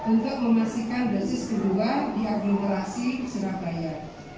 untuk memastikan dosis kedua di aglomerasi surabaya